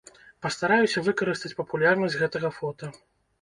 Пастараюся выкарыстаць папулярнасць гэтага фота.